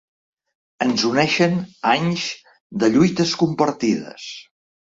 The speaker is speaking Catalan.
Ens uneixen anys de lluites compartides.